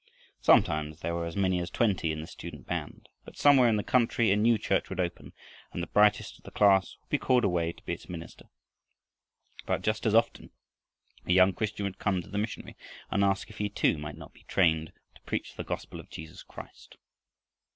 Sometimes there were as many as twenty in the student band, but somewhere in the country a new church would open, and the brightest of the class would be called away to be its minister. But just as often a young Christian would come to the missionary and ask if he too might not be trained to preach the gospel of Jesus Christ.